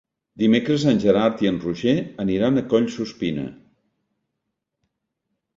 Dimecres en Gerard i en Roger aniran a Collsuspina.